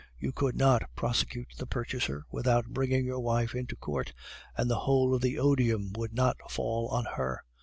You could not prosecute the purchaser without bringing your wife into court, and the whole of the odium would not fall on her.